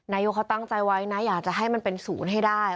นายกเขาตั้งใจไว้นะอยากจะให้มันเป็นศูนย์ให้ได้